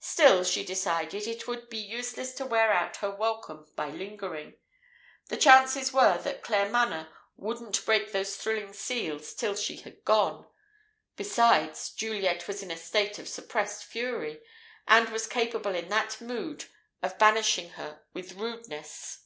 Still, she decided, it would be useless to wear out her welcome by lingering. The chances were that Claremanagh wouldn't break those thrilling seals till she had gone. Besides, Juliet was in a state of suppressed fury, and was capable in that mood of banishing her with rudeness.